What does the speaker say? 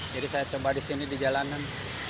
jadi saya coba di sini di jalanan